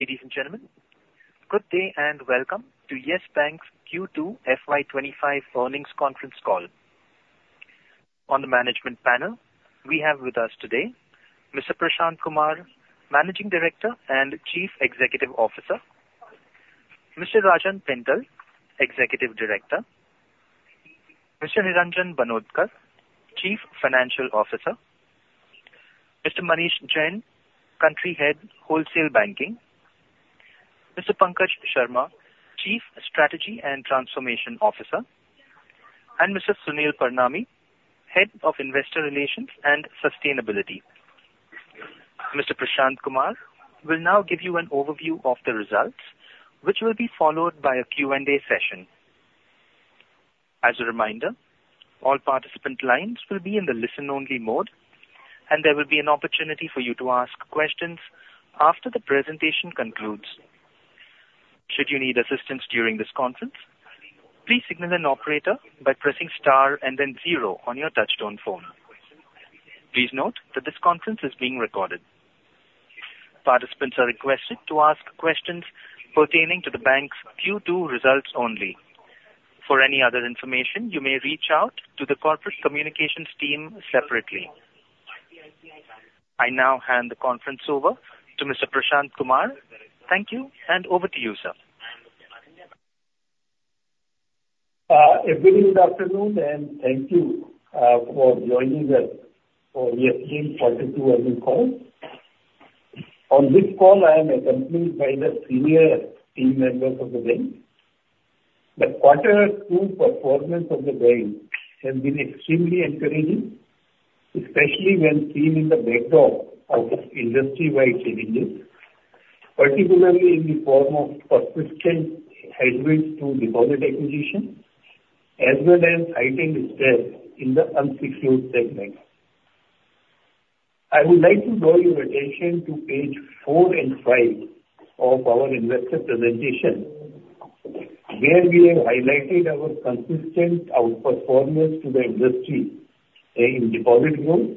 Ladies and gentlemen, good day and welcome to Yes Bank's Q2 FY25 earnings conference call. On the management panel, we have with us today Mr. Prashant Kumar, Managing Director and Chief Executive Officer, Mr. Rajan Pental, Executive Director, Mr. Niranjan Banodkar, Chief Financial Officer, Mr. Manish Jain, Country Head, Wholesale Banking, Mr. Pankaj Sharma, Chief Strategy and Transformation Officer, and Mr. Sunil Parnami, Head of Investor Relations and Sustainability. Mr. Prashant Kumar will now give you an overview of the results, which will be followed by a Q&A session. As a reminder, all participant lines will be in the listen-only mode, and there will be an opportunity for you to ask questions after the presentation concludes. Should you need assistance during this conference, please signal an operator by pressing star and then zero on your touchtone phone. Please note that this conference is being recorded. Participants are requested to ask questions pertaining to the bank's Q2 results only. For any other information, you may reach out to the Corporate Communications team separately. I now hand the conference over to Mr. Prashant Kumar. Thank you, and over to you, sir. A very good afternoon, and thank you for joining us for Yes Bank Q2 earnings call. On this call, I am accompanied by the senior team members of the bank. The Q2 performance of the bank has been extremely encouraging, especially when seen in the backdrop of industry-wide challenges, particularly in the form of persistent headwinds to deposit acquisition, as well as heightened stress in the unsecured segment. I would like to draw your attention to page four and five of our investor presentation, where we have highlighted our consistent outperformance to the industry in deposit growth,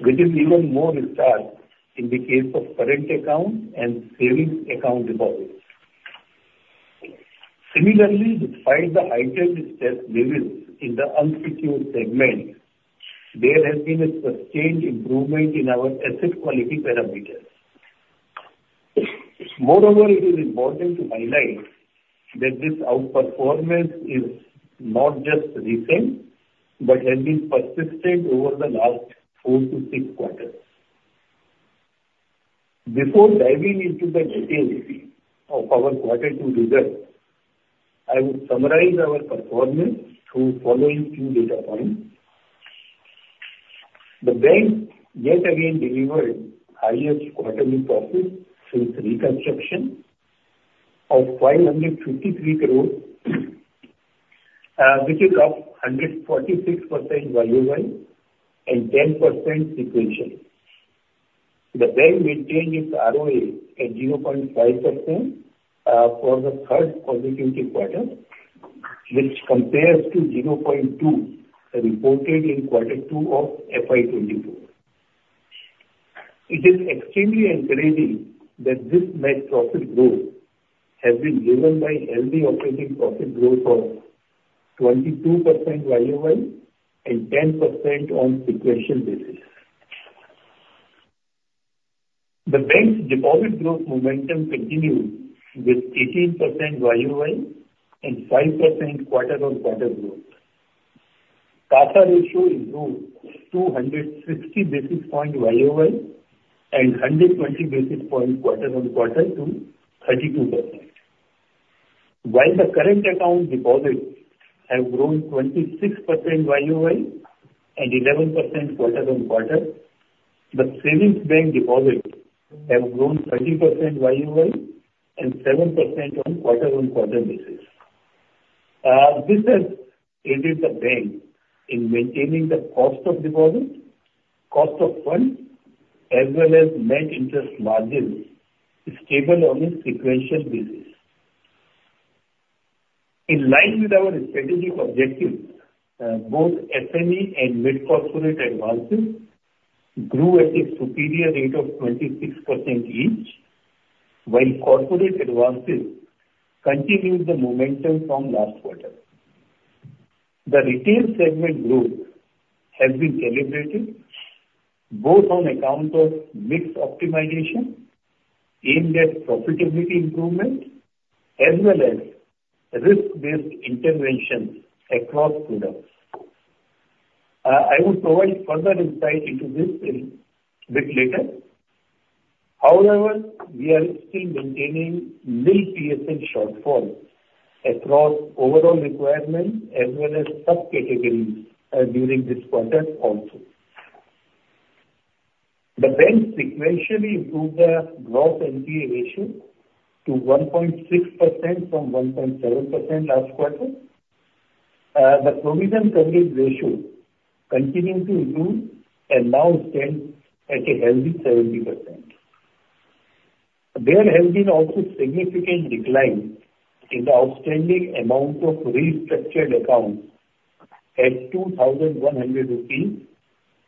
which is even more stark in the case of current account and savings account deposits. Similarly, despite the heightened stress levels in the unsecured segment, there has been a sustained improvement in our asset quality parameters. Moreover, it is important to highlight that this outperformance is not just recent, but has been persistent over the last four to six quarters. Before diving into the details of our Q2 results, I would summarize our performance through following key data points. The bank yet again delivered highest quarterly profit since reconstruction of INR 553 crores, which is up 146% YoY, and 10% sequentially. The bank maintained its ROA at 0.5%, for the third consecutive quarter, which compares to 0.2%, reported in Q2 of FY 2024. It is extremely encouraging that this net profit growth has been driven by healthy operating profit growth of 22% YoY and 10% on sequential basis. The bank's deposit growth momentum continued with 18% YoY and 5% quarter on quarter growth. CASA ratio improved to 260 basis points YoY and 120 basis points quarter on quarter to 32%. While the current account deposits have grown 26% YoY and 11% quarter on quarter, the savings bank deposits have grown 30% YoY and 7% on quarter-on-quarter basis. This has aided the bank in maintaining the cost of deposits, cost of funds, as well as net interest margin stable on a sequential basis. In line with our strategic objectives, both SME and mid-corporate advances grew at a superior rate of 26% each, while corporate advances continued the momentum from last quarter. The retail segment growth has been calibrated both on account of mix optimization, aimed at profitability improvement, as well as risk-based interventions across products. I will provide further insight into this a bit later. However, we are still maintaining nil PSL shortfall across overall requirements as well as sub-categories during this quarter also. The bank sequentially improved their gross NPA ratio to 1.6% from 1.7% last quarter. The provision coverage ratio continued to improve and now stands at a healthy 70%. There has also been significant decline in the outstanding amount of restructured accounts at 2,100 crores rupees,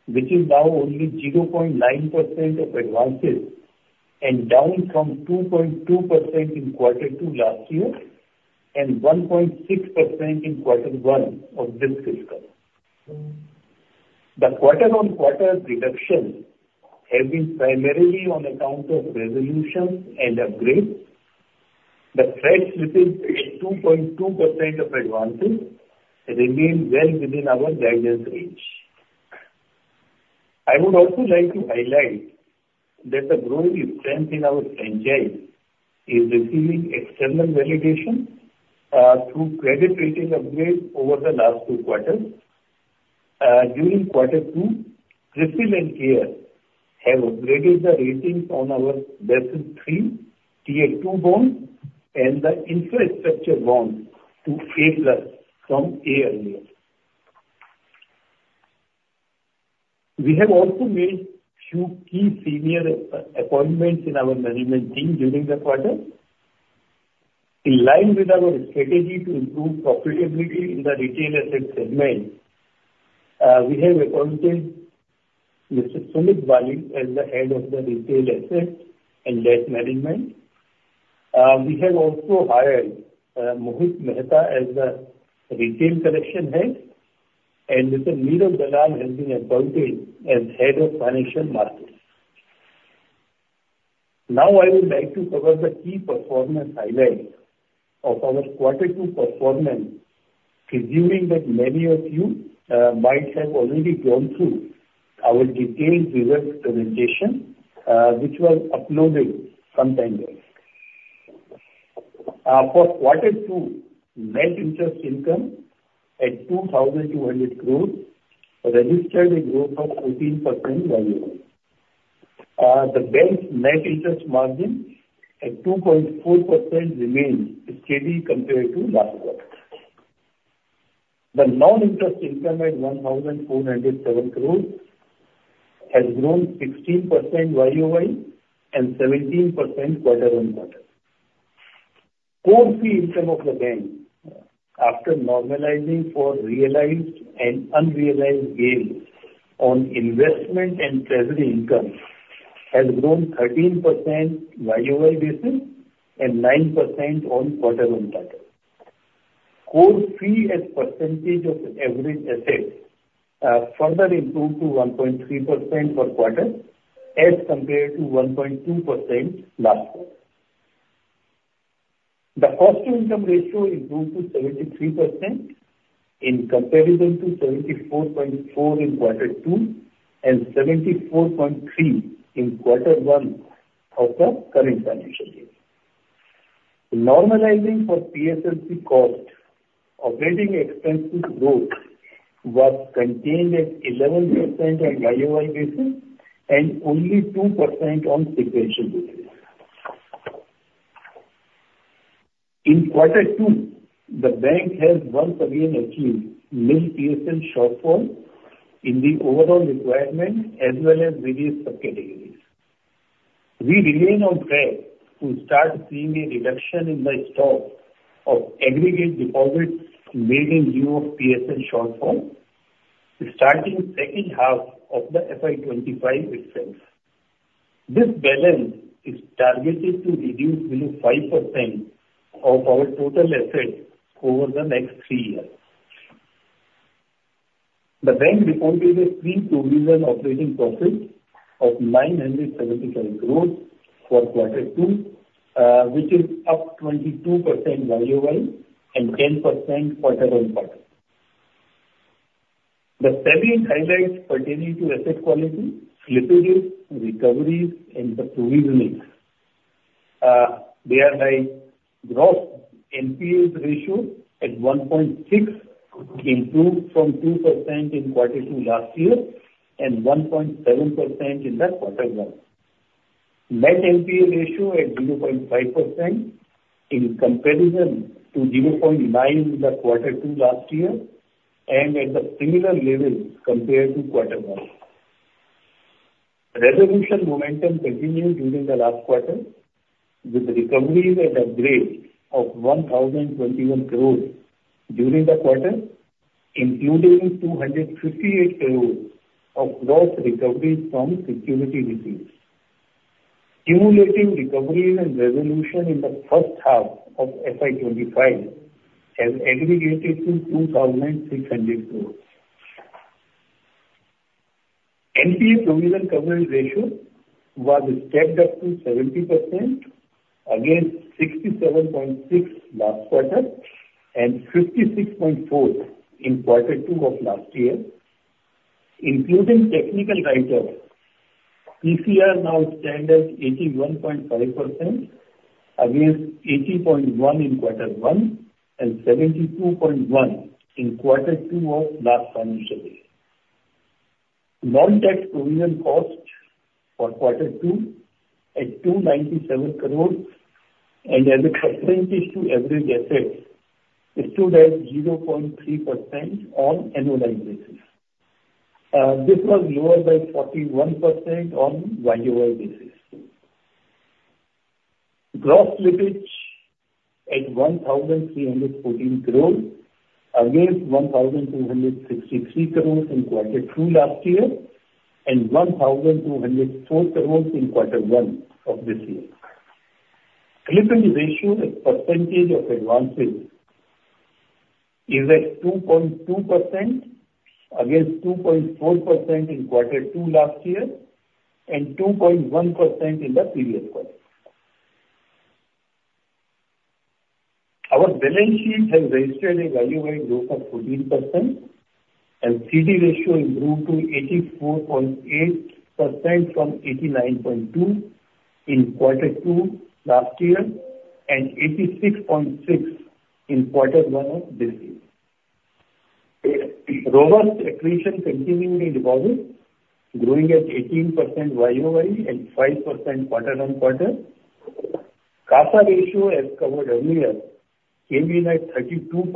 which is now only 0.9% of advances, and down from 2.2% in Q2 last year, and 1.6% in quarter one of this fiscal. The quarter on quarter reduction has been primarily on account of resolution and upgrades. The stressed assets within 2.2% of advances remain well within our guidance range. I would also like to highlight that the growing strength in our franchise is receiving external validation through credit rating upgrade over the last two quarters. During Q2, CRISIL and CARE have upgraded the ratings on our Basel III, Tier 2 bonds, and the infrastructure bond to A+ from A earlier. We have also made few key senior appointments in our management team during the quarter. In line with our strategy to improve profitability in the retail asset segment, we have appointed Mr. Sumit Bali as the Head of the Retail Assets and Debt Management. We have also hired Mohit Mehta as the Retail Collection Head, and Mr. Niraj Bansal has been appointed as Head of Financial Markets. Now, I would like to cover the key performance highlights of our Q2 performance, presuming that many of you might have already gone through our detailed results presentation, which was uploaded some time ago. For Q2, net interest income at 2,200 crores registered a growth of 14% YoY. The bank's net interest margin at 2.4% remains steady compared to last quarter. The non-interest income at 1,407 crores has grown 16% YoY, and 17% quarter on quarter. Core fee income of the bank, after normalizing for realized and unrealized gains on investment and treasury income, has grown 13% YoY basis and 9% on quarter on quarter. Core fee as percentage of average assets further improved to 1.3% per quarter, as compared to 1.2% last quarter. The cost-to-income ratio improved to 73% in comparison to 74.4% in Q2, and 74.3% in quarter one of the current financial year. Normalizing for PSLC cost, operating expenses growth was contained at 11% on YoY basis, and only 2% on sequential basis. In Q2, the bank has once again achieved nil PSL shortfall in the overall requirement as well as various sub-categories. We remain on track to start seeing a reduction in the stock of aggregate deposits made in lieu of PSL shortfall, starting second half of the FY 2025 itself. This balance is targeted to reduce below 5% of our total assets over the next three years. The bank reported a pre-provision operating profit of 975 crores for Q2, which is up 22% YoY and 10% quarter on quarter. The salient highlights pertaining to asset quality, slippage, recoveries, and the provisioning, they are by gross NPA ratio at 1.6%, improved from 2% in Q2 last year, and 1.7% in the quarter one. Net NPA ratio at 0.5% in comparison to 0.9% in the Q2 last year, and at a similar level compared to quarter one. Resolution momentum continued during the last quarter, with recoveries and upgrades of 1,021 crores during the quarter, including 258 crores of gross recoveries from security receipts. Cumulative recovery and resolution in the first half of FY 2025 has aggregated to INR 2,600 crores. NPA provision coverage ratio was stepped up to 70%, against 67.6% last quarter, and 56.4% in Q2 of last year. Including technical write-offs, PCR now stand at 81.5%, against 80.1% in quarter one, and 72.1% in Q2 of last financial year. Net provision cost for Q2 at 297 crores, and as a percentage to average assets, it stood at 0.3% on annual basis. This was lower by 41% on YoY basis. Gross slippage at 1,314 crores, against 1,263 crores in Q2 last year, and 1,204 crores in Quarter one of this year. Slippage ratio, as percentage of advances, is at 2.2%, against 2.4% in Q2 last year, and 2.1% in the previous quarter. Our balance sheet has registered a year-over-year growth of 14%, and CD ratio improved to 84.8% from 89.2% in Q2 last year, and 86.6% in quarter one of this year. Robust accretion continuing in deposits, growing at 18% year-over-year and 5% quarter on quarter. CAsa ratio, as covered earlier, came in at 32%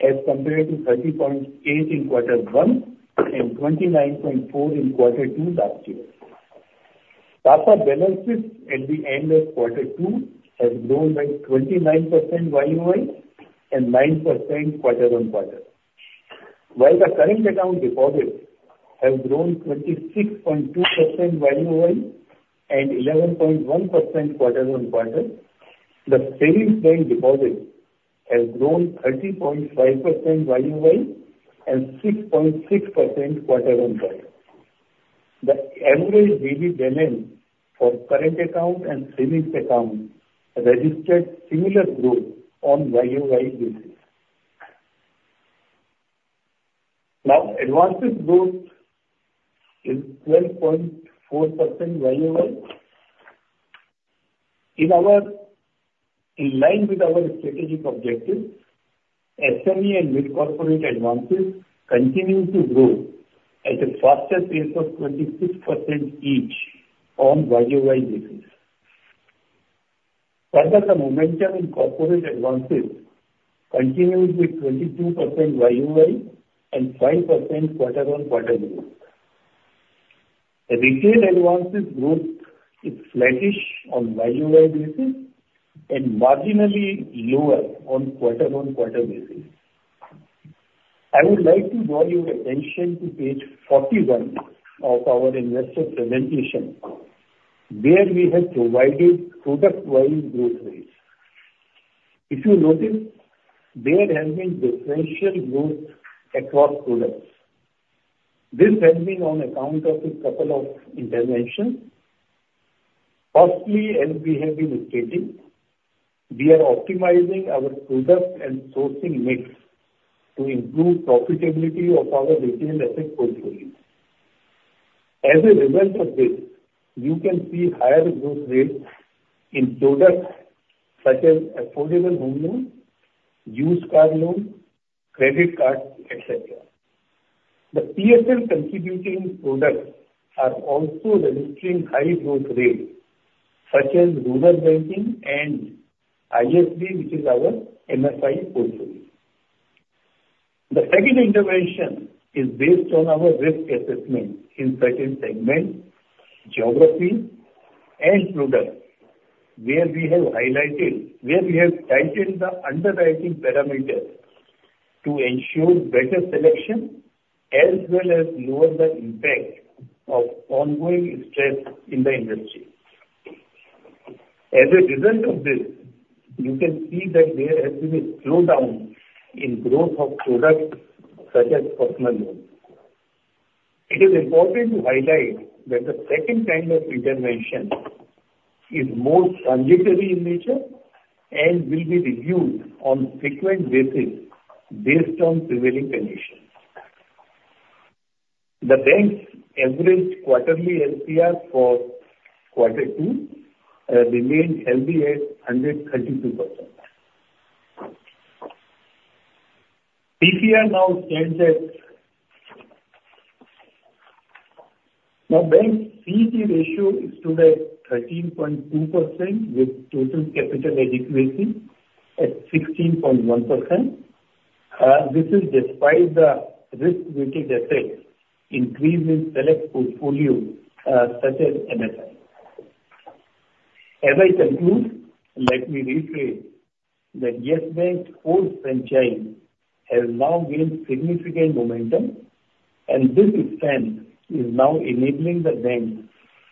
as compared to 30.8% in quarter one and 29.4% in Q2 last year. CAsa balances at the end of Q2 has grown by 29% year-over-year and 9% quarter on quarter. While the current account deposits have grown 26.2% year-over-year and 11.1% quarter on quarter, the savings bank deposits have grown 13.5% year-over-year and 6.6% quarter on quarter. The average daily balance for current account and savings account registered similar growth on year-over-year basis. Now, advances growth is 12.4% year-over-year. In line with our strategic objective, SME and mid-corporate advances continue to grow at a faster pace of 26% each on year-over-year basis. Further, the momentum in corporate advances continues with 22% year-over-year and 5% quarter on quarter growth. The retail advances growth is flattish on year-over-year basis and marginally lower on quarter on quarter basis. I would like to draw your attention to page 41 of our investor presentation, where we have provided product-wise growth rates. If you notice, there has been differential growth across products. This has been on account of a couple of interventions. Firstly, as we have been stating, we are optimizing our product and sourcing mix to improve profitability of our retail asset portfolio. As a result of this, you can see higher growth rates in products such as affordable home loans, used car loans, credit cards, et cetera. The PSL contributing products are also registering high growth rate, such as rural banking and ISB, which is our MFI portfolio. The second intervention is based on our risk assessment in certain segments, geography, and products, where we have tightened the underwriting parameters to ensure better selection, as well as lower the impact of ongoing stress in the industry. As a result of this, you can see that there has been a slowdown in growth of products such as personal loans. It is important to highlight that the second kind of intervention is more transitory in nature and will be reviewed on frequent basis based on prevailing conditions. The bank's average quarterly LCR for Q2 remains healthy at 132%. PCR now stands at... Our bank CET1 ratio is today 13.2%, with total capital adequacy at 16.1%. This is despite the risk-weighted assets increase in select portfolio such as MFI. As I conclude, let me reiterate that Yes Bank's whole franchise has now gained significant momentum, and this strength is now enabling the bank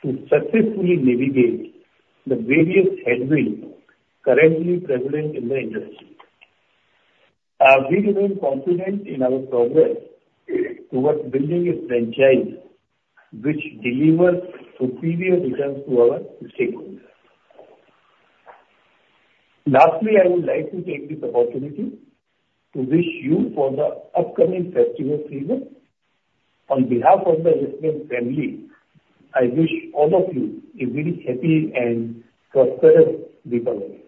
to successfully navigate the various headwinds currently prevalent in the industry. We remain confident in our progress towards building a franchise which delivers superior returns to our stakeholders. Lastly, I would like to take this opportunity to wish you for the upcoming festival season. On behalf of the Yes Bank family, I wish all of you a very happy and prosperous Diwali.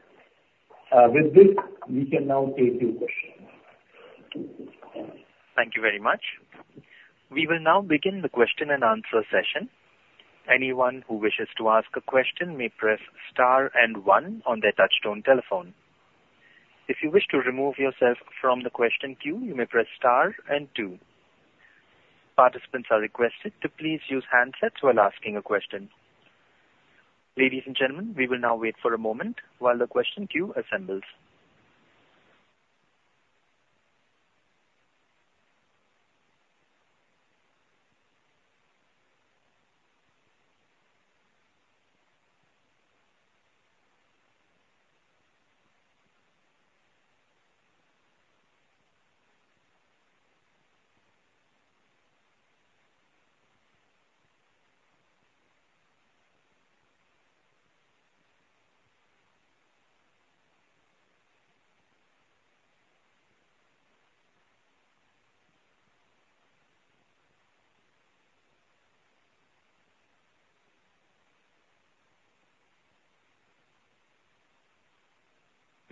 With this, we can now take your questions. Thank you very much. We will now begin the question and answer session. Anyone who wishes to ask a question may press star and one on their touchtone telephone. If you wish to remove yourself from the question queue, you may press star and two. Participants are requested to please use handsets while asking a question. Ladies and gentlemen, we will now wait for a moment while the question queue assembles.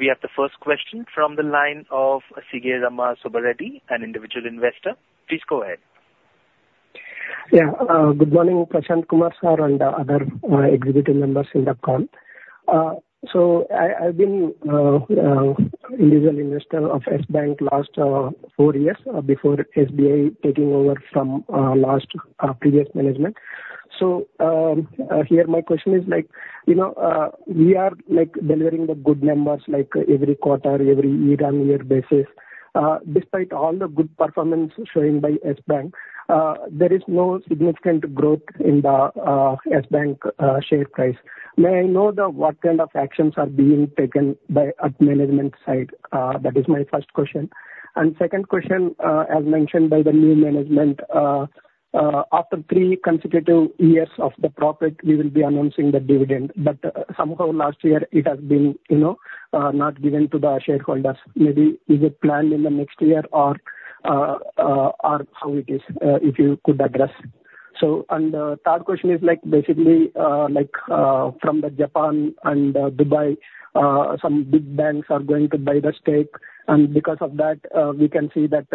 We have the Sagi Rama Subba Reddy, an individual investor. please go ahead. Yeah, good morning, Prashant Kumar sir, and other executive members in the call. So I, I've been individual investor of Yes Bank last four years before SBI taking over from last previous management. So here my question is like, you know, we are like delivering the good numbers like every quarter, every year on year basis. Despite all the good performance shown by Yes Bank, there is no significant growth in the Yes Bank share price. May I know what kind of actions are being taken by at management side? That is my first question. And second question, as mentioned by the new management, after three consecutive years of the profit, we will be announcing the dividend, but somehow last year it has been, you know, not given to the shareholders. Maybe is it planned in the next year or, or how it is, if you could address? So, and the third question is like, basically, like, from the Japan and, Dubai, some big banks are going to buy the stake, and because of that, we can see that,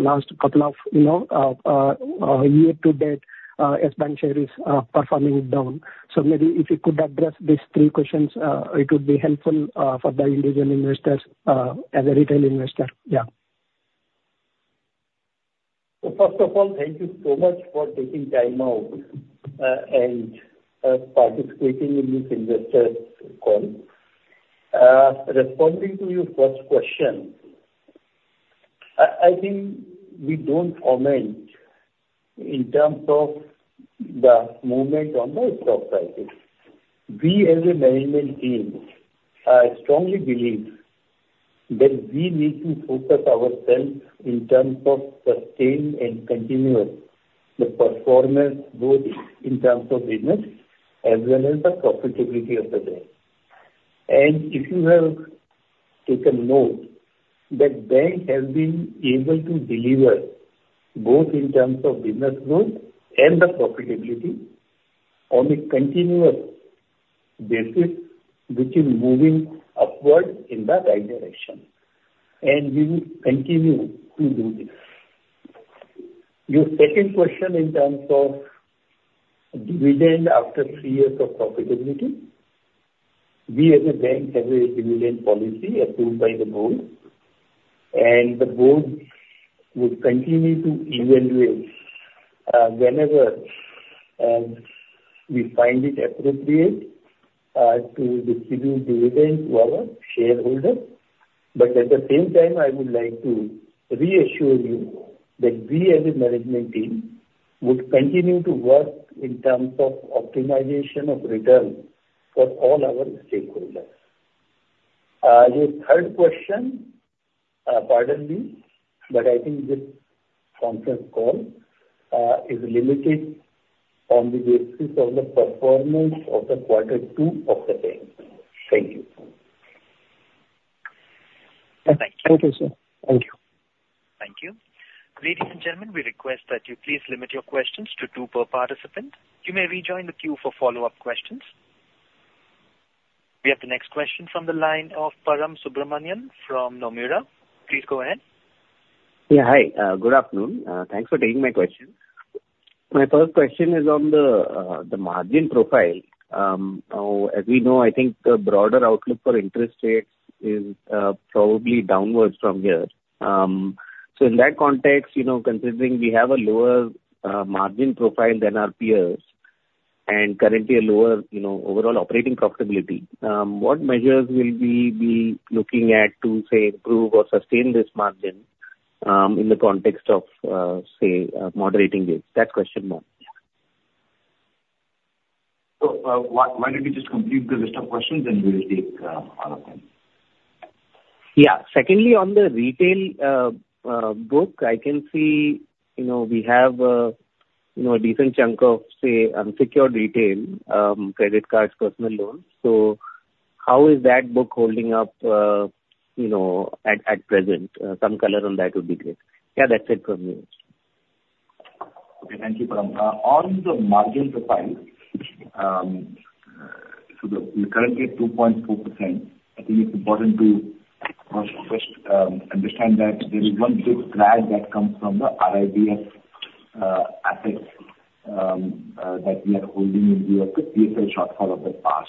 last couple of, you know, year to date, Yes Bank share is performing down. So maybe if you could address these three questions, it would be helpful, for the individual investors, as a retail investor. Yeah. So first of all, thank you so much for taking time out, and participating in this investor call. Responding to your first question, I think we don't comment in terms of the movement on the stock prices. We as a management team, I strongly believe that we need to focus ourselves in terms of sustain and continuous the performance, both in terms of business as well as the profitability of the bank. And if you have taken note that bank has been able to deliver both in terms of business growth and the profitability on a continuous basis, which is moving upward in the right direction, and we will continue to do this. Your second question in terms of dividend after three years of profitability, we as a bank have a dividend policy approved by the board, and the board would continue to evaluate whenever we find it appropriate to distribute dividend to our shareholder. But at the same time, I would like to reassure you that we as a management team would continue to work in terms of optimization of return for all our stakeholders. Your third question, pardon me, but I think this conference call is limited on the basis of the performance of Q2 of the bank. Thank you. Thank you. Thank you, sir. Thank you. Thank you. Ladies and gentlemen, we request that you please limit your questions to two per participant. You may rejoin the queue for follow-up questions. We have the next question from the line of Param Subramanian from Nomura. Please go ahead. Yeah, hi. Good afternoon. Thanks for taking my question. My first question is on the margin profile. As we know, I think the broader outlook for interest rates is probably downwards from here. So in that context, you know, considering we have a lower margin profile than our peers and currently a lower, you know, overall operating profitability, what measures will we be looking at to, say, improve or sustain this margin in the context of, say, moderating rates? That's question one. Why don't we just complete the list of questions, then we will take all of them. Yeah. Secondly, on the retail book, I can see, you know, we have, you know, a decent chunk of, say, unsecured retail, credit cards, personal loans. So how is that book holding up, you know, at present? Some color on that would be great. Yeah, that's it from me. Okay. Thank you, Param. On the margin profile, so we're currently at 2.4%. I think it's important to first understand that there is one big drag that comes from the RIDF.... assets that we are holding in the legacy of the past,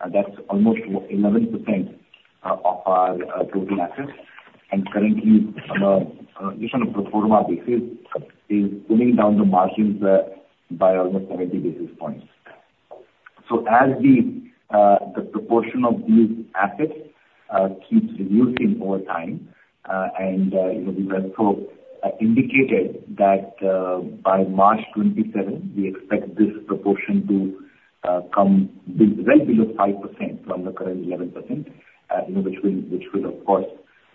and that's almost 11% of our total assets, and currently from a just on a pro forma basis, is pulling down the margins by almost seventy basis points. So as the proportion of these assets keeps reducing over time, and you know, we were so indicated that by March 2027, we expect this proportion to come be well below 5% from the current 11%, you know, which will, which will of course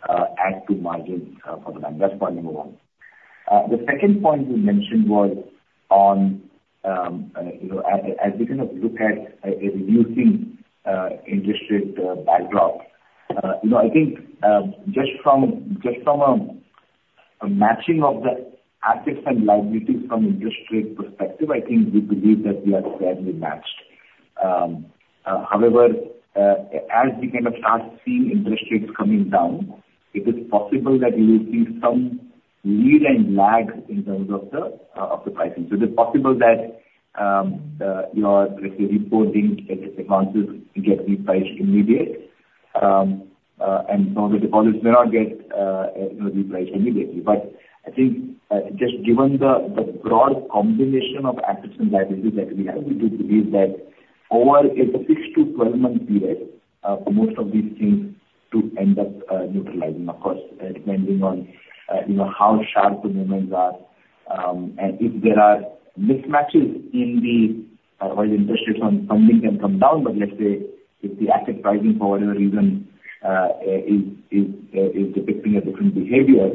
add to margins for the bank. That's point number one. The second point you mentioned was on, you know, as we kind of look at a reducing interest rate backdrop, you know, I think, just from a matching of the assets and liabilities from interest rate perspective, I think we believe that we are fairly matched. However, as we kind of start seeing interest rates coming down, it is possible that you will see some lead and lag in terms of the pricing. So it is possible that, your, let's say, reporting accounts will get repriced immediate. And some of the deposits may not get, you know, repriced immediately. But I think, just given the broad combination of assets and liabilities that we have, we do believe that over a six- to 12-month period, most of these things to end up neutralizing. Of course, depending on you know, how sharp the movements are, and if there are mismatches in the while the interest rates on funding can come down, but let's say if the asset pricing for whatever reason is depicting a different behavior,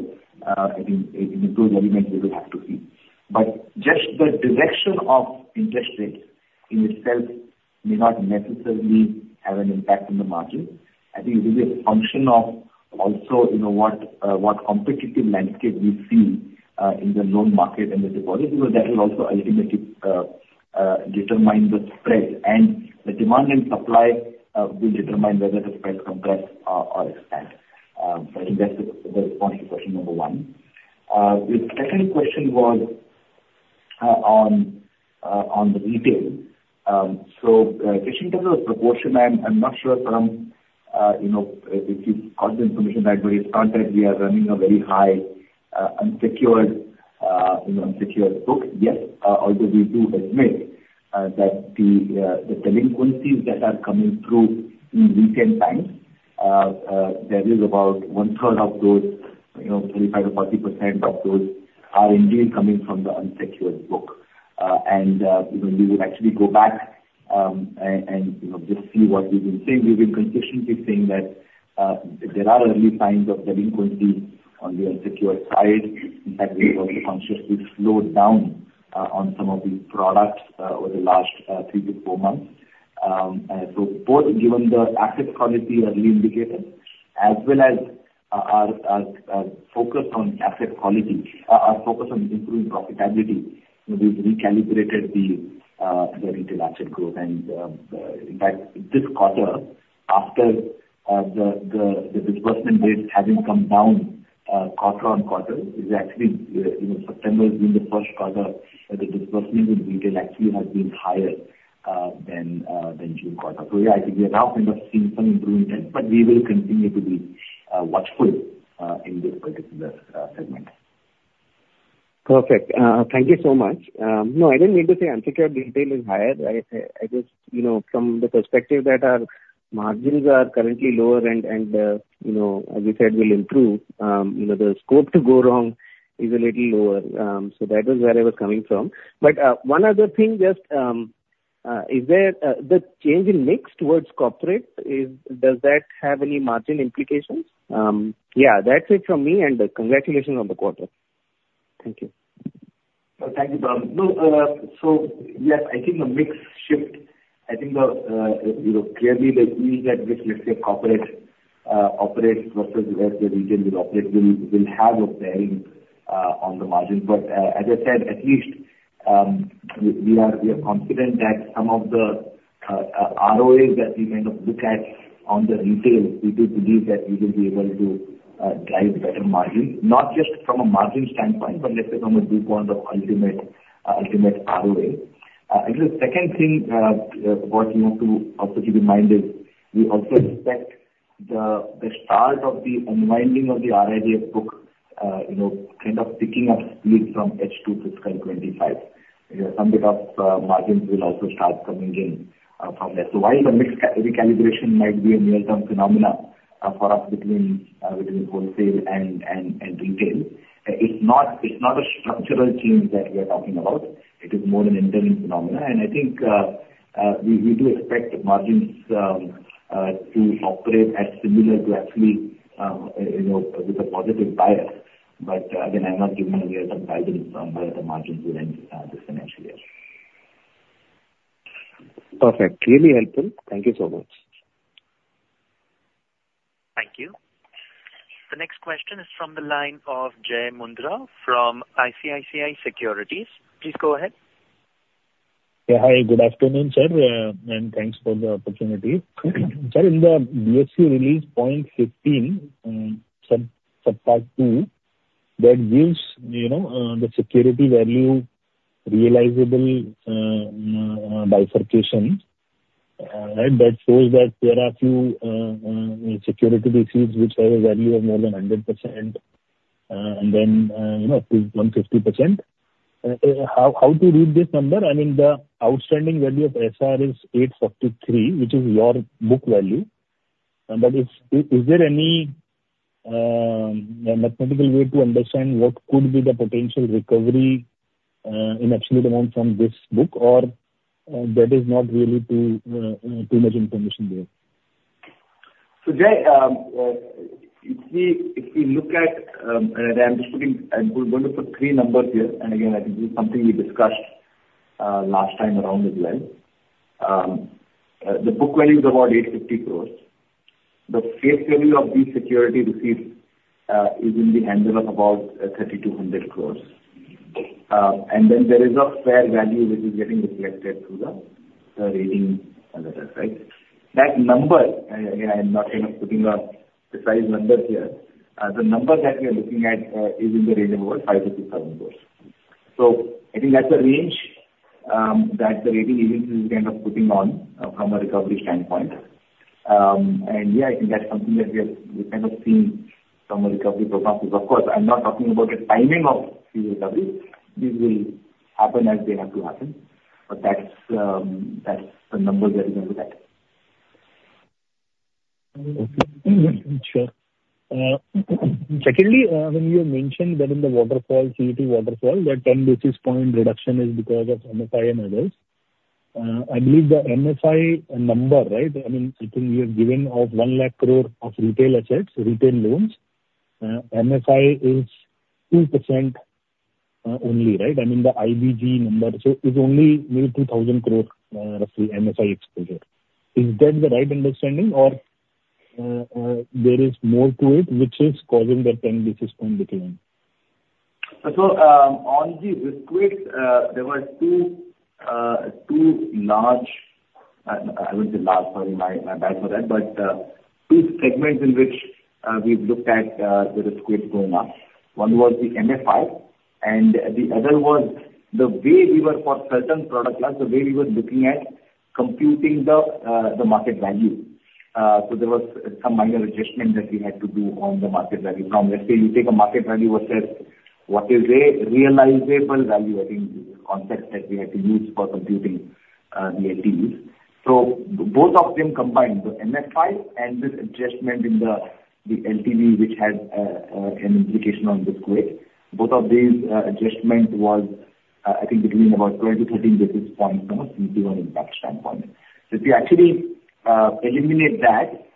I think in those elements we will have to see. But just the direction of interest rates in itself may not necesSAily have an impact on the margin. I think it will be a function of also, you know, what competitive landscape we see in the loan market and the deposits, because that will also ultimately determine the spread, and the demand and supply will determine whether the spread compress or expand. I think that's the response to question number one. The second question was on the retail. Just in terms of the proportion, I'm not sure, you know, if you have the information in that very context, we are running a very high, you know, unsecured book. Yes, although we do admit that the delinquencies that are coming through in recent times, there is about one third of those, you know, 35%-40% of those are indeed coming from the unsecured book. And, you know, we would actually go back and just see what we've been saying. We've been consistently saying that there are early signs of delinquency on the unsecured side. In fact, we've also consciously slowed down on some of the products over the last three to four months. So both given the asset quality early indicator as well as our focus on asset quality, our focus on improving profitability, we've recalibrated the retail asset growth. In fact, this quarter, after the disbursement rates having come down quarter on quarter, is actually, you know, September being the first quarter that the disbursement in retail actually has been higher than June quarter. Yeah, I think we have now kind of seen some improvement, but we will continue to be watchful in this particular segment. Perfect. Thank you so much. No, I didn't mean to say unsecured retail is higher. I just, you know, from the perspective that our margins are currently lower and, you know, as you said, will improve, you know, the scope to go wrong is a little lower. So that is where I was coming from. But one other thing, just, is there the change in mix towards corporate? Is, does that have any margin implications? Yeah, that's it from me, and congratulations on the quarter. Thank you. Thank you, Pam. No, so, yes, I think the mix shift, I think the, you know, clearly the speed at which, let's say, corporate, operates versus where the retail will operate will have a bearing on the margin. But, as I said, at least, we are confident that some of the ROAs that we kind of look at on the retail, we do believe that we will be able to drive better margins, not just from a margin standpoint, but let's say from a viewpoint of ultimate ROA. I think the second thing, what you have to also keep in mind is we also expect the start of the unwinding of the RIDF book, you know, kind of picking up speed from H2 fiscal 2025. You know, some bit of margins will also start coming in from there. So while the mix recalibration might be a near-term phenomena for us between between wholesale and and and retail, it's not, it's not a structural change that we're talking about, it is more an internal phenomena. And I think we do expect margins to operate at similar to actually you know with a positive bias. But again, I'm not giving away some guidance on where the margins will end this financial year. Perfect. Really helpful. Thank you so much. Thank you. The next question is from the line of Jai Mundra from ICICI Securities. Please go ahead. Yeah, hi, good afternoon, sir, and thanks for the opportunity. Sir, in the BSE release point 15, sub-part two, that gives, you know, the security value realizable bifurcation, and that shows that there are few security receipts which have a value of more than 100%, and then, you know, up to 150%. How to read this number? I mean, the outstanding value of SR is 843, which is your book value. But is there any mathematical way to understand what could be the potential recovery in absolute amount from this book, or that is not really too much information there? So, Jay, if we, if we look at, I'm just putting... I'm going to put three numbers here, and again, I think this is something we discussed last time around as well. The book value is about 850 crores. The face value of these security receipts is in the handle of about 3,200 crores. And then there is a fair value which is getting reflected through the rating on the right. That number, again, I'm not, you know, putting a precise number here, the number that we are looking at is in the range of over 5,000-6,000 crores. So I think that's a range that the rating agencies kind of putting on from a recovery standpoint. And, yeah, I think that's something that we have, we've kind of seen from a recovery perspective. Of course, I'm not talking about the timing of the recovery. These will happen as they have to happen, but that's, that's the number that is going with that. Okay. Sure. Secondly, when you mentioned that in the waterfall, CET waterfall, that 10 basis point reduction is because of MFI and others, I believe the MFI number, right? I mean, I think you have given out one lakh crore of retail assets, retail loans. MFI is 2%, only, right? I mean, the ISB number, so is only, you know, 2,000 crores, MFI exposure. Is that the right understanding or, there is more to it, which is causing the 10 basis point decline? So, on the risk weight, there were two, two large, I wouldn't say large, sorry, my bad for that, but, two segments in which we've looked at the risk weight going up. One was the MFI, and the other was the way we were for certain product class, the way we were looking at computing the market value. So there was some minor adjustment that we had to do on the market value from, let's say, you take a market value versus what is a realizable value, I think, the concept that we had to use for computing the LTVs. So both of them combined, the MFI and this adjustment in the LTV, which had an implication on risk weight. Both of these adjustments was, I think, between about 12-13 basis points from a CET1 impact standpoint. So if you actually eliminate that,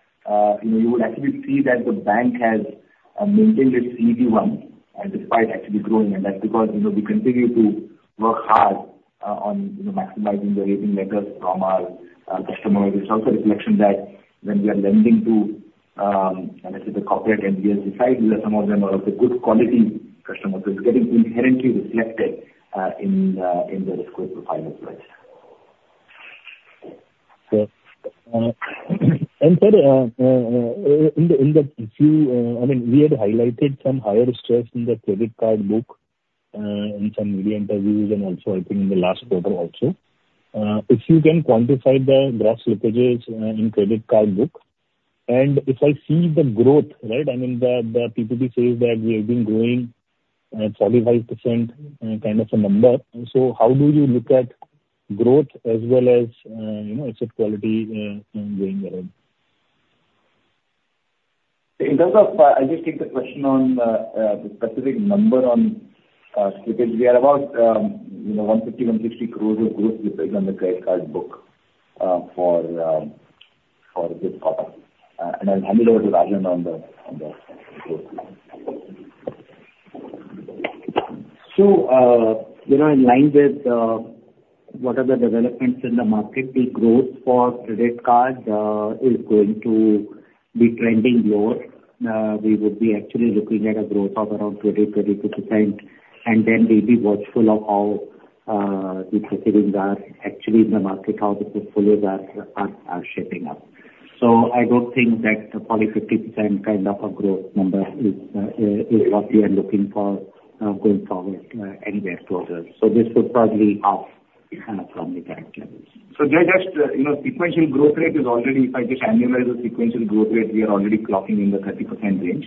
you know, you would actually see that the bank has maintained its CET1 despite actually growing, and that's because, you know, we continue to work hard on, you know, maximizing the rating letters from our customers. It's also a reflection that when we are lending to, let's say, the corporate NBFC side, where some of them are of the good quality customers, so it's getting inherently reflected in the risk weight profile as well. Sir, I mean, we had highlighted some higher stress in the credit card book in some media interviews and also I think in the last quarter also. If you can quantify the gross slippages in credit card book, and if I see the growth, right, I mean, the PPT says that we have been growing 45% kind of a number. How do you look at growth as well as you know asset quality going forward? In terms of, I'll just take the question on the specific number on because we are about, you know, 150-160 crores of growth with on the credit card book for this quarter. And I'll hand it over to Rajan on the growth. So, you know, in line with what are the developments in the market, the growth for credit card is going to be trending lower. We would be actually looking at a growth of around 20-25%, and then we'll be watchful of how the proceedings are actually in the market, how the portfolios are shaping up. So I don't think that the 40-50% kind of a growth number is what we are looking for going forward anywhere closer. So this is probably off from the current levels. So just you know, sequential growth rate is already, if I just annualize the sequential growth rate, we are already clocking in the 30% range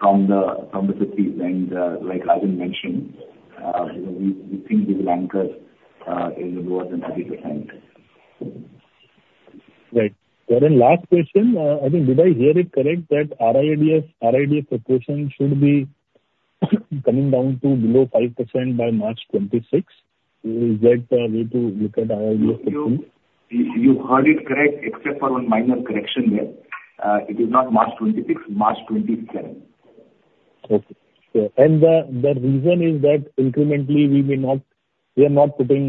from the 50s. And like Rajan mentioned, you know, we think this will anchor in lower than 30%. Right. Then last question, I think, did I hear it correct, that RIDF proportion should be coming down to below 5% by March 2026? Is that the way to look at RIDF? You heard it correct, except for one minor correction there. It is not March '26, March '27. Okay. Sure. The reason is that incrementally we may not... We are not putting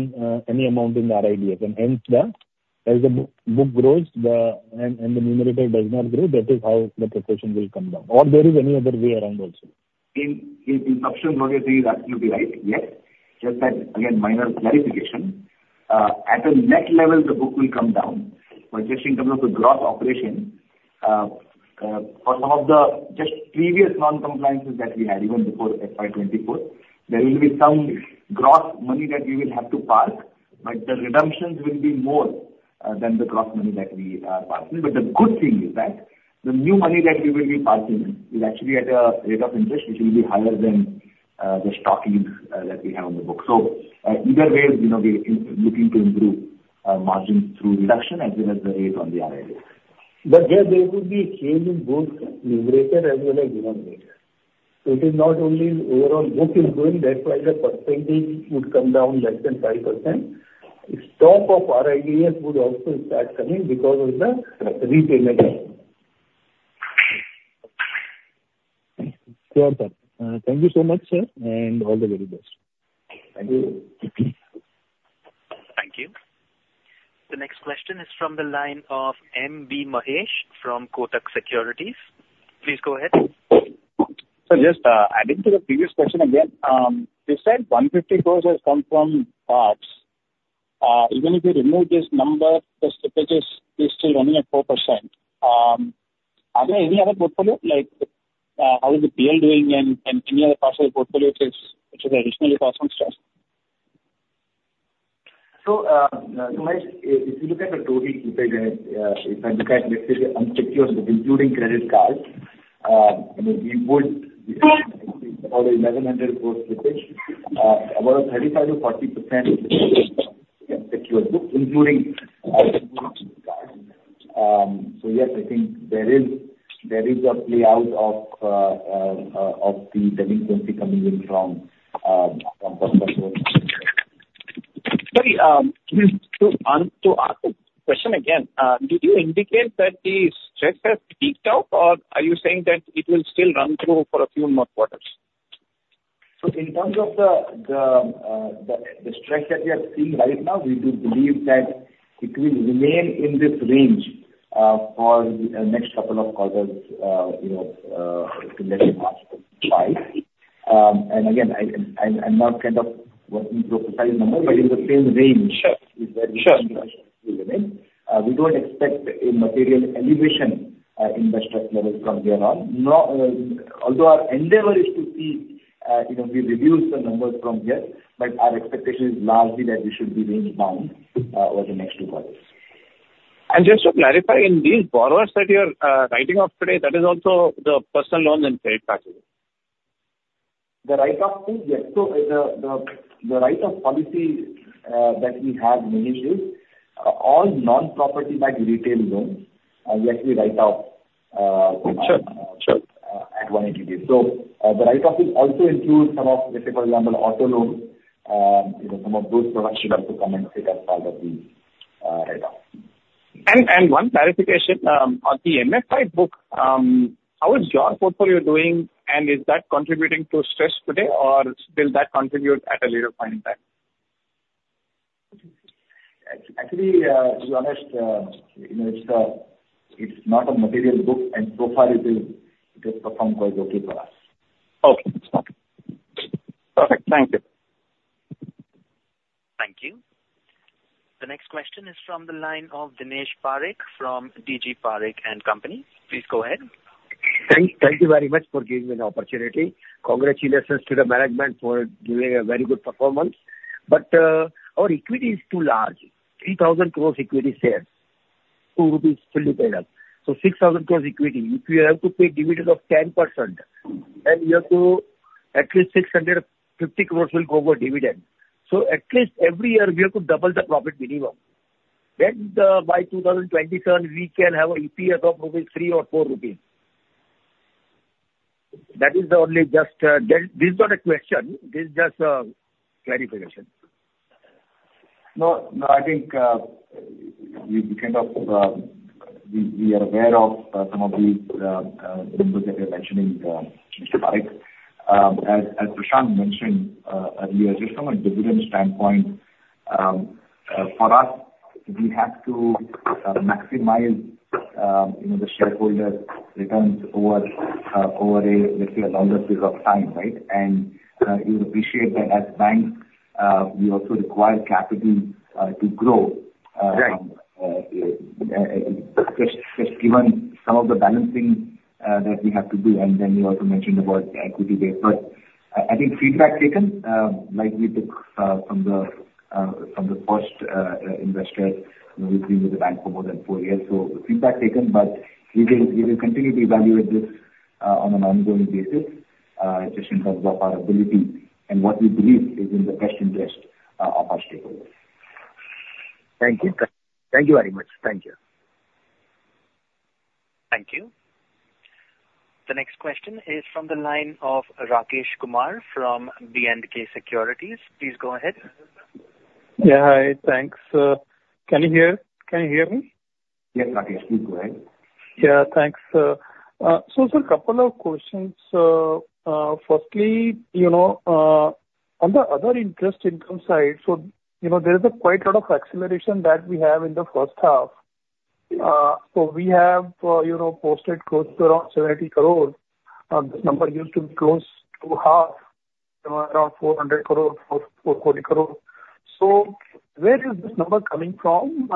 any amount in RIDF, and hence as the book grows, and the numerator does not grow, that is how the proportion will come down. Or there is any other way around also?... in substance, what you're saying is absolutely right, yes. Just that, again, minor clarification. At the net level, the book will come down. But just in terms of the gross operation, for some of the just previous non-compliances that we had, even before FY 2024, there will be some gross money that we will have to park, but the redemptions will be more than the gross money that we are parking. But the good thing is that the new money that we will be parking is actually at a rate of interest which will be higher than the existing that we have on the book. So, either way, you know, we in looking to improve margins through reduction as well as the rate on the RIDF. But there could be a change in both numerator as well as denominator. So it is not only overall book is growing, that's why the percentage would come down less than 5%. Stock of RIDF would also start coming because of the repayment. Sure, sir. Thank you so much, sir, and all the very best. Thank you. Thank you. The next question is from the line of M. B. Mahesh from Kotak Securities. Please go ahead. So just adding to the previous question again, you said 150 crores has come from ARCs. Even if you remove this number, the slippage is still running at 4%. Are there any other portfolio, like, how is the PSL doing and any other parts of the portfolio which is additionally causing stress? Mahesh, if you look at the total book, if I look at, let's say, unsecured book, including credit cards, you know, we would about 1,100 crores slippage. About 35%-40% secured book, including, so yes, I think there is a play out of the delinquency coming in from personal loans. Sorry, to ask the question again, did you indicate that the stress has peaked out, or are you saying that it will still run through for a few more quarters? So in terms of the stress that we are seeing right now, we do believe that it will remain in this range for the next couple of quarters, you know, let's say March five, and again, I'm not kind of wanting to profile the number, but in the same range- Sure, sure. We don't expect a material elevation in the stress levels from here on. Nor, although our endeavor is to see, you know, we reduce the numbers from here, but our expectation is largely that we should be range bound over the next two quarters. Just to clarify, in these borrowers that you're writing off today, that is also the personal loans and credit cards? The write-off is, yes. So the write-off policy that we have managed is all non-property backed retail loans, we actually write off. Sure, sure. - at 180 days. So, the write-off will also include some of, let's say, for example, auto loans. You know, some of those products should also come and take up part of the write-off. One clarification on the MFI book. How is your portfolio doing, and is that contributing to stress today, or will that contribute at a later point in time? Actually, to be honest, you know, it's not a material book, and so far it has performed quite okay for us. Okay. Perfect. Thank you. Thank you. The next question is from the line of Dinesh Parekh from D.G. Parekh & Co.. Please go ahead. Thank you very much for giving me the opportunity. Congratulations to the management for doing a very good performance. But, our equity is too large, 3,000 crore equity shares, INR 2 fully paid up. So 6,000 crore equity, if you have to pay dividend of 10%, then you have to, at least 650 crore will go for dividend. So at least every year, we have to double the profit minimum. Then, by 2027, we can have a EPS of rupees 3 or 4. That is the only just... This is not a question, this is just, clarification. No, no, I think we kind of are aware of some of the numbers that you're mentioning, Mr. Parekh. As Prashant mentioned earlier, just from a dividend standpoint, for us, we have to maximize, you know, the shareholder returns over a, let's say, a longer period of time, right? And you would appreciate that as banks, we also require capital to grow. Right. Just given some of the balancing that we have to do, and then you also mentioned about the equity there. But I think feedback taken, like we took from the first investors, you know, who've been with the bank for more than four years. So feedback taken, but we will continue to evaluate this on an ongoing basis, just in terms of our ability and what we believe is in the best interest of our stakeholders. Thank you. Thank you very much. Thank you. Thank you. The next question is from the line of Rakesh Kumar from B&K Securities. Please go ahead. Yeah, hi. Thanks, can you hear? Can you hear me? Yes, Rakesh, please go ahead. Yeah, thanks. So, sir, couple of questions. Firstly, you know, on the other interest income side, so, you know, there is quite a lot of acceleration that we have in the first half so we have, you know, posted close to around 70 crore. This number used to be close to half, around 400 crore, 440 crore. So where is this number coming from?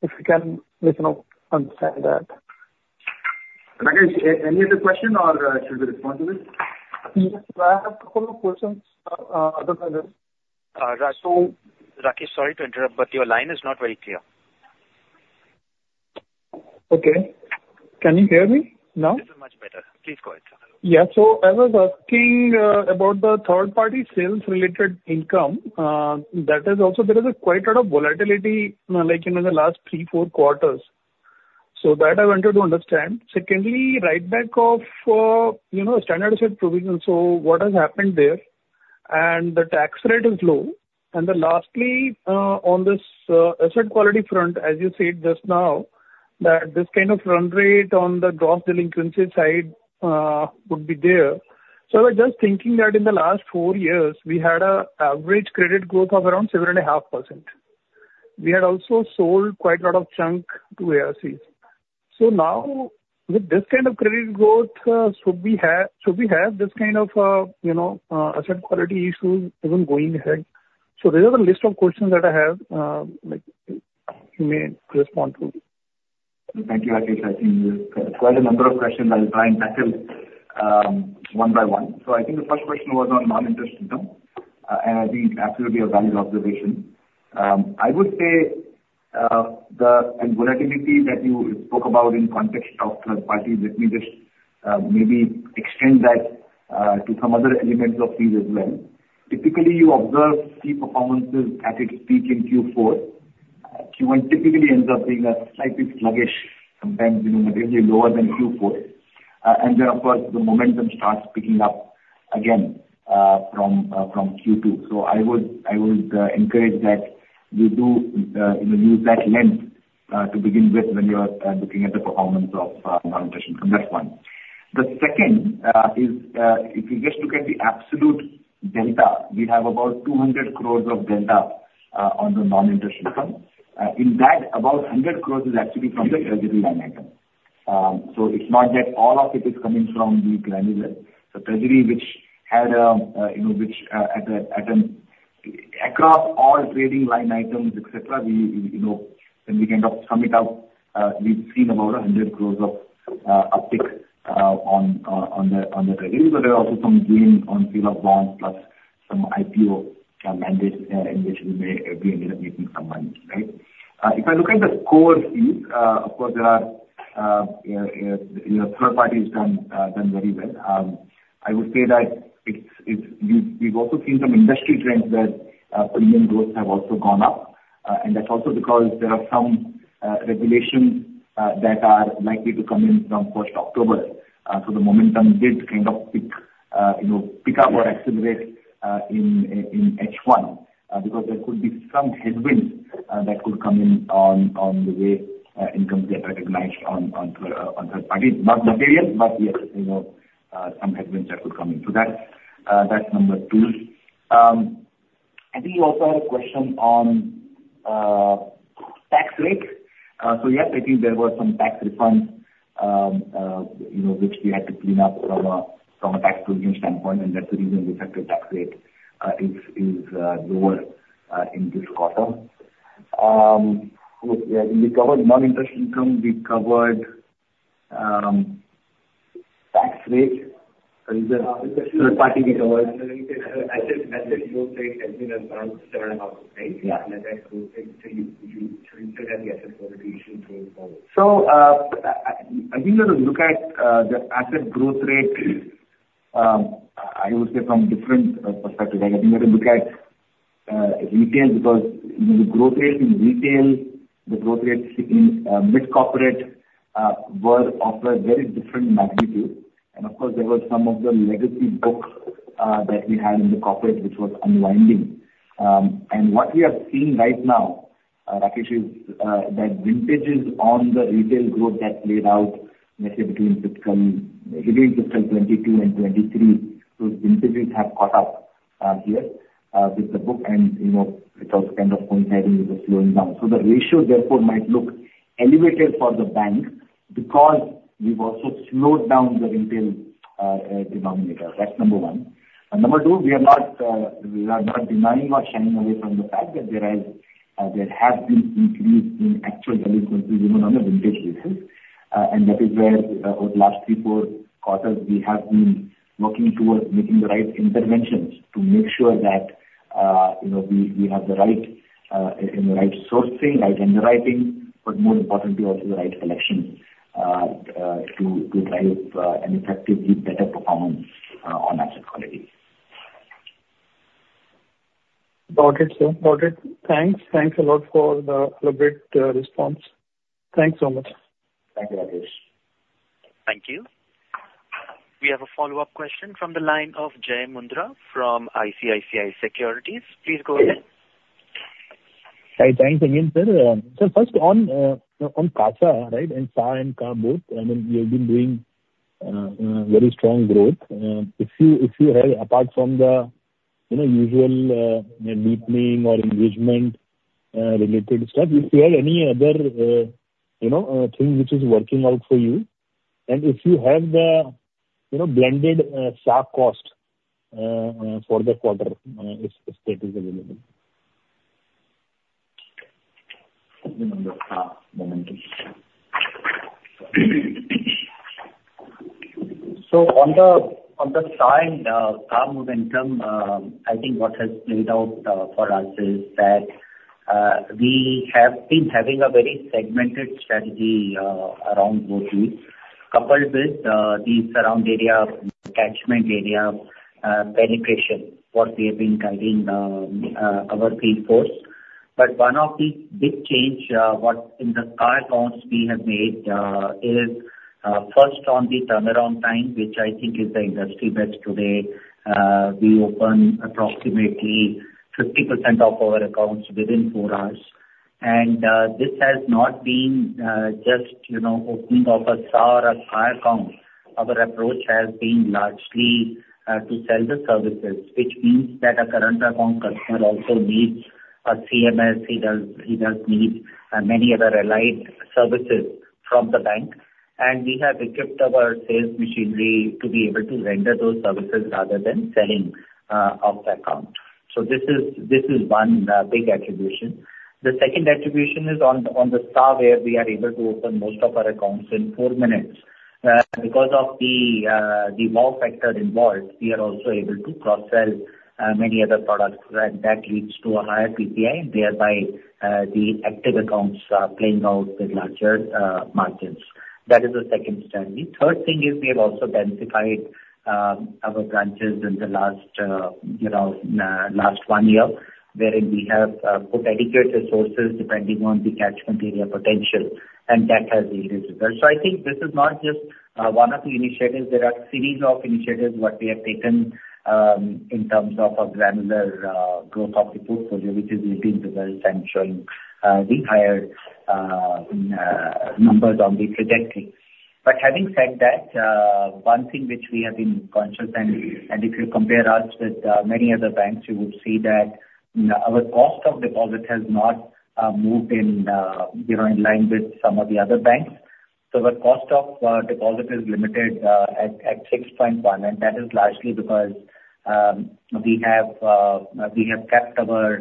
If you can, let me know, understand that. Rakesh, any other question, or should we respond to this? Yes, I have a couple of questions, other than this. So Rakesh, sorry to interrupt, but your line is not very clear. Okay. Can you hear me now? This is much better. Please go ahead, sir. Yeah. So I was asking about the third-party sales related income. That is also, there is quite a lot of volatility, like in the last three, four quarters. So that I wanted to understand. Secondly, write back of, you know, standard asset provisions, so what has happened there? And the tax rate is low. And then lastly, on this asset quality front, as you said just now, that this kind of run rate on the gross delinquency side would be there. So I was just thinking that in the last four years, we had an average credit growth of around 7.5%. We had also sold quite a lot of chunk to ARCs. So now, with this kind of credit growth, should we have, should we have this kind of, you know, asset quality issue even going ahead? So these are the list of questions that I have, like, you may respond to. Thank you, Rakesh. I think quite a number of questions I'll try and tackle one by one. So I think the first question was on non-interest income, and I think absolutely a valid observation. I would say volatility that you spoke about in context of third party. Let me just maybe extend that to some other elements of fees as well. Typically, you observe key performances at its peak in Q4. Q1 typically ends up being a slightly sluggish, sometimes, you know, materially lower than Q4. And then, of course, the momentum starts picking up again from Q2. So I would encourage that we do, you know, use that lens to begin with, when you are looking at the performance of non-interest income. That's one. The second is if you just look at the absolute delta, we have about 200 crores of delta on the non-interest income. In that, about 100 crores is actually from the treasury line item, so it's not that all of it is coming from the granular. The treasury which had you know which across all trading line items et cetera we you know when we kind of sum it up we've seen about 100 crores of uptick on the treasury, but there are also some gains on sale of bonds, plus some IPO mandates in which we ended up making some money, right? If I look at the core fees, of course, there are, you know, third party has done very well. I would say that we've also seen some industry trends where premium growth have also gone up, and that's also because there are some regulations that are likely to come in from first October. So the momentum did kind of pick up or accelerate in H1, because there could be some headwinds that could come in on the way incomes are recognized on third party. Not material, but yes, you know, some headwinds that could come in. So that's number two. I think you also had a question on tax rate. So yes, I think there were some tax refunds, you know, which we had to clean up from a tax provision standpoint, and that's the reason the effective tax rate is lower in this quarter. We covered non-interest income. We covered tax rate. And the third party we covered. asset growth rate has been around 7.5%, right? Yeah. That growth rate, so you consider the asset quality issue going forward. So, I think when you look at the asset growth rate, I would say from different perspective, I think you have to look at retail, because the growth rate in retail, the growth rate in mid-corporate were of a very different magnitude. And of course, there were some of the legacy books that we had in the corporate, which was unwinding. And what we are seeing right now, Rakesh, is that vintages on the retail growth that played out, let's say between fiscal 2022 and 2023, those vintages have caught up here with the book and, you know, it's also kind of coinciding with the slowing down. So the ratio therefore might look elevated for the bank, because we've also slowed down the retail denominator. That's number one. And number two, we are not, we are not denying or shying away from the fact that there has, there has been increase in actual delinquencies, you know, on a vintage basis. And that is where, over the last three, four quarters, we have been working towards making the right interventions, to make sure that, you know, we, we have the right, in the right sourcing, right underwriting, but more importantly, also the right collection, to, to drive, an effectively better performance, on asset quality. Got it, sir. Got it. Thanks. Thanks a lot for the great response. Thanks so much. Thank you, Rakesh. Thank you. We have a follow-up question from the line of Jai Mundra from ICICI Securities. Please go ahead. Thanks again, sir. So first on CAsa, right, and CA and sa both, I mean, you have been doing very strong growth. If you have, apart from the you know, usual deepening or engagement related stuff. If you have any other you know, thing which is working out for you, and if you have the you know, blended CAsa cost for the quarter, if that is available. One moment, one moment. So on the on the CAsa momentum, I think what has played out for us is that we have been having a very segmented strategy around both leads, coupled with the surrounding area, catchment area penetration, what we have been guiding our field force. But one of the big change what in the CA accounts we have made is first on the turnaround time, which I think is the industry best today. We open approximately 50% of our accounts within four hours. This has not been just, you know, opening of a SA or CA account. Our approach has been largely to sell the services, which means that a current account customer also needs a CMS. He does, he does need many other allied services from the bank, and we have equipped our sales machinery to be able to render those services rather than selling off the account. So this is, this is one big attribution. The second attribution is on the, on the SA, where we are able to open most of our accounts in four minutes. Because of the, the wow factor involved, we are also able to cross-sell many other products, and that leads to a higher PPI, and thereby, the active accounts are playing out with larger margins. That is the second strategy. Third thing is we have also densified our branches in the last, you know, last one year, wherein we have put dedicated resources depending on the catchment area potential, and that has yielded results. So I think this is not just one of the initiatives. There are a series of initiatives what we have taken in terms of a granular growth of the portfolio, which is yielding results and showing the higher numbers on the trajectory. But having said that, one thing which we have been conscious, and if you compare us with many other banks, you would see that our cost of deposit has not moved in, you know, in line with some of the other banks. So the cost of deposit is limited at 6.1%, and that is largely because we have kept our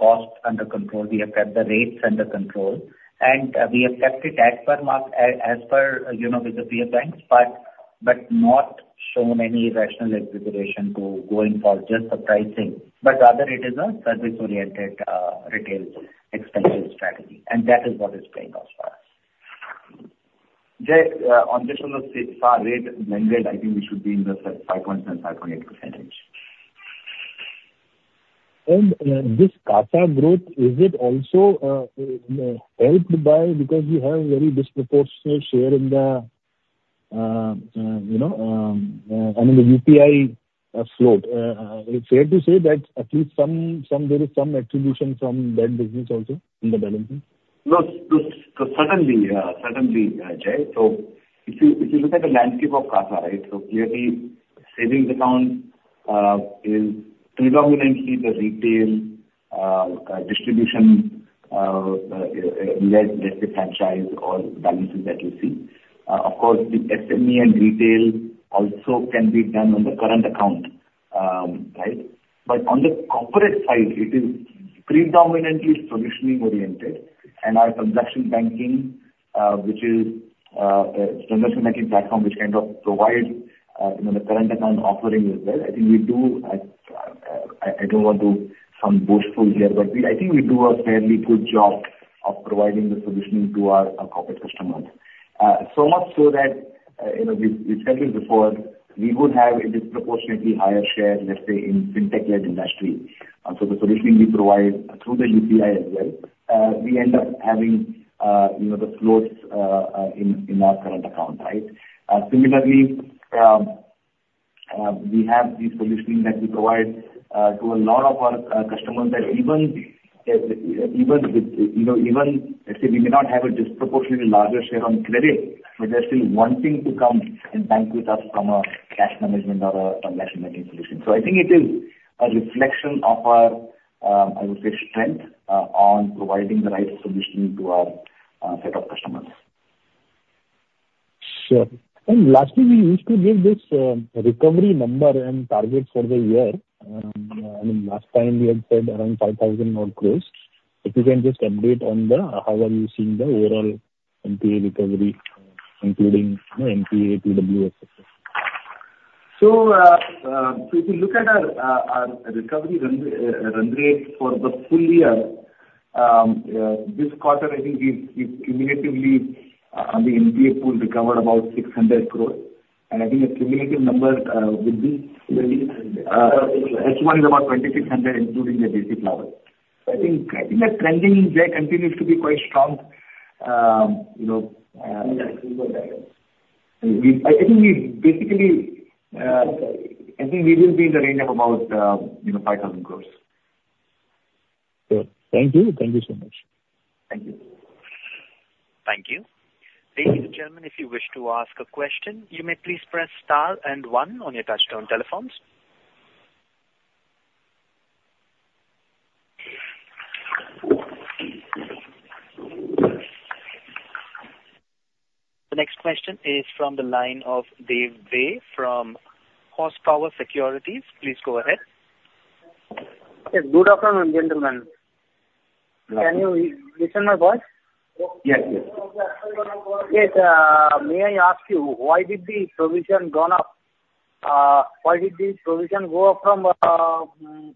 costs under control, we have kept the rates under control, and we have kept it as per market, as per, you know, with the peer banks, but not shown any rational exaggeration to going for just the pricing, but rather it is a service-oriented retail expansion strategy, and that is what is playing out for us. Jay, on the issue of the CAsa rate blended, I think we should be in the 5.5 and 5.8%. This CAsa growth, is it also helped by because you have a very disproportionate share in the, you know, I mean, the UPI float? Is it fair to say that at least some, there is some attribution from that business also in the balancing? No, so, so certainly, certainly, Jay. So if you, if you look at the landscape of CAsa, right, so clearly savings account is predominantly the retail-led, let's say, franchise or balances that you see. Of course, the SME and retail also can be done on the current account, right? But on the corporate side, it is predominantly solutioning oriented, and our transaction banking, which is, a transaction banking platform, which kind of provide, you know, the current account offering as well. I think we do, I, I don't want to sound boastful here, but we, I think we do a fairly good job of providing the solutioning to our, our corporate customers. So much so that, you know, we've said it before, we would have a disproportionately higher share, let's say, in fintech-led industry. So the solutioning we provide through the UPI as well, we end up having, you know, the floats in our current account, right? Similarly, we have the solutioning that we provide to a lot of our customers that even with, you know, even, let's say we may not have a disproportionately larger share on credit, but they're still wanting to come and bank with us from a cash management or a transaction banking solution. So I think it is a reflection of our, I would say, strength on providing the right solutioning to our set of customers. Sure. And lastly, we used to give this recovery number and targets for the year. I mean, last time we had said around 5,000 crores. If you can just update on how you are seeing the overall NPA recovery, including, you know, NPA, PWO, et cetera? If you look at our recovery run rate for the full year, this quarter, I think we've cumulatively on the NPA pool recovered about 600 crores. I think the cumulative number will be twenty. H1 is about 2,600, including the basic level. I think the trending, Jay, continues to be quite strong. You know. Yeah. I think we basically, I think we will be in the range of about, you know, 5,000 crores. Good. Thank you. Thank you so much. Thank you. Thank you. Ladies and gentlemen, if you wish to ask a question, you may please press star and one on your touchtone telephones. The next question is from the line of Dev Dey from Horsepower Securities. Please go ahead. Yes, good afternoon, gentlemen. Can you listen my voice? Yes, yes. Yes, may I ask you, why did the provision go up from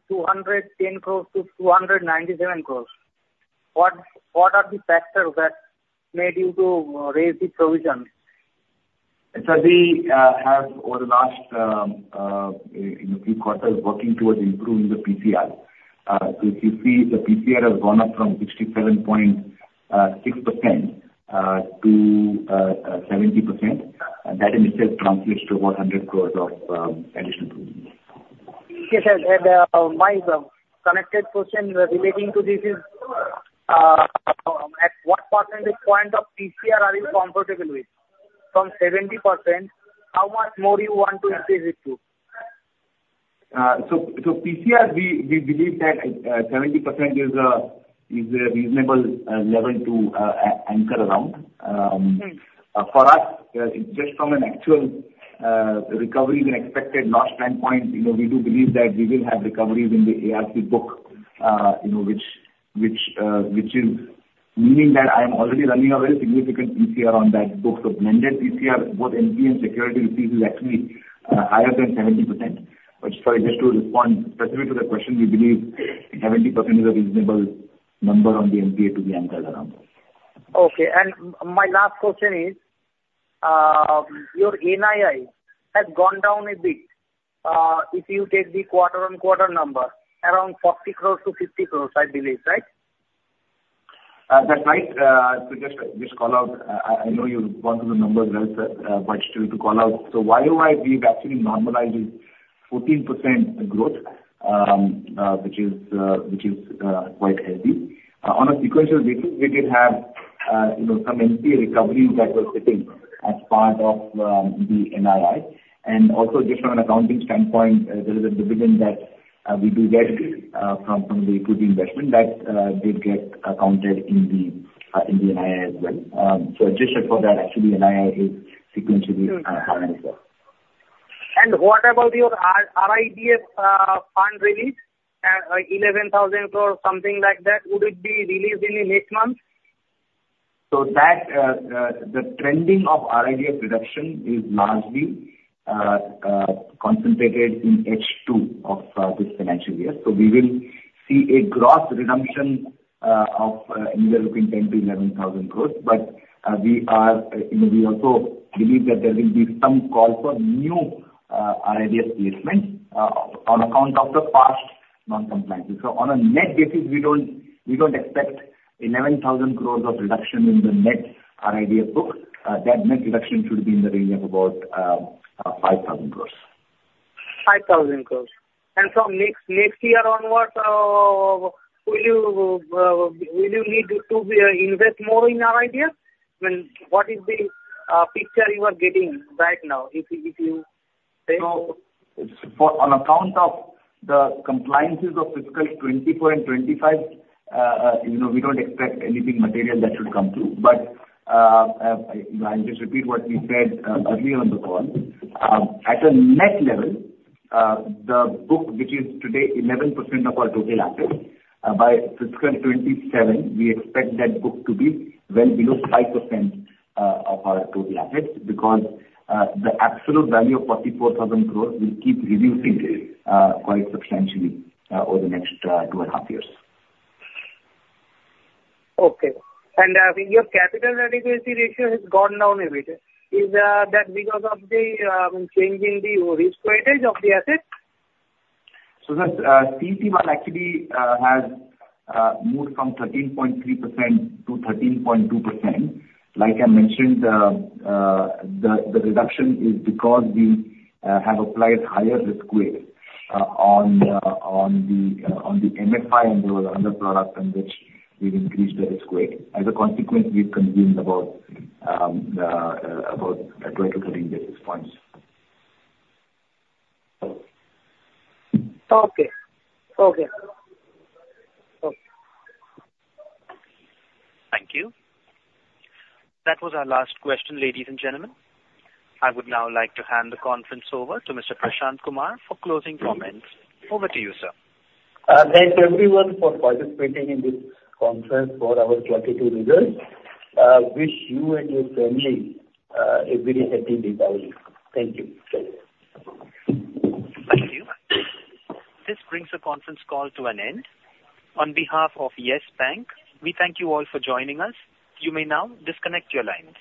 210 crores to 297 crores? What are the factors that made you to raise the provision? So we have over the last, you know, few quarters working towards improving the PCR. So if you see, the PCR has gone up from 67.6% to 70%. That in itself translates to 100 crores of additional provisions. Yes, sir, and my connected question relating to this is, at what percentage point of PCR are you comfortable with? From 70%, how much more do you want to increase it to? So, PCR, we believe that 70% is a reasonable level to anchor around. For us, just from an actual recovery and expected loss standpoint, you know, we do believe that we will have recoveries in the ARC book, you know, which is meaning that I am already running a very significant PCR on that book. So blended PCR, both NPA and security receipts, is actually higher than 70%. But sorry, just to respond specifically to the question, we believe 70% is a reasonable number on the NPA to be anchored around. Okay. And my last question is, your NII has gone down a bit. If you take the quarter on quarter number, around 40-50 crores, I believe, right? That's right. So just call out, I know you'll go through the numbers as well, sir, but still to call out. So YoY, we've actually normalized it 14% growth, which is quite healthy. On a sequential basis, we did have, you know, some NPA recoveries that were sitting as part of the NII. And also just from an accounting standpoint, there is a dividend that we do get from the equity investment that did get accounted in the NII as well. So adjusted for that, actually, NII is sequentially higher as well. What about your RIDF fund release? Eleven thousand or something like that, would it be released in the next month? So that the trending of RIDF reduction is largely concentrated in H2 of this financial year. So we will see a gross redemption in the region of 10,000-11,000 crores. But, you know, we also believe that there will be some call for new RIDF placements on account of the past non-compliance. So on a net basis, we don't expect 11,000 crores of reduction in the net RIDF book. That net reduction should be in the range of about 5,000 crores. 5,000 crores. From next year onwards, will you need to invest more in RIDF? I mean, what is the picture you are getting right now, if you say? So for, on account of the compliances of fiscal 2024 and 2025, you know, we don't expect anything material that should come through. But, I, I'll just repeat what we said, earlier on the call. At a net level, the book, which is today 11% of our total assets, by fiscal 2027, we expect that book to be well below 5% of our total assets, because, the absolute value of 44,000 crores will keep reducing, quite substantially, over the next, two and a half years. Okay. And your capital adequacy ratio has gone down a bit. Is that because of the changing the risk weightage of the assets? So the CET1 actually has moved from 13.3% to 13.2%. Like I mentioned, the reduction is because we have applied higher risk weight on the MFI and those other products in which we've increased the risk weight. As a consequence, we've consumed about 23 basis points. Okay. Okay. Okay. Thank you. That was our last question, ladies and gentlemen. I would now like to hand the conference over to Mr. Prashant Kumar for closing comments. Over to you, sir. Thanks everyone for participating in this conference for our Q2 results. Wish you and your family a very happy Diwali. Thank you. Thank you. This brings the conference call to an end. On behalf of Yes Bank, we thank you all for joining us. You may now disconnect your line.